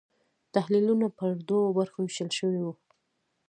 تحلیلونه پر دوو برخو وېشلای شو.